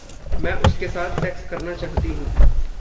मैं उसके साथ सेक्स करना चाहती हूँ।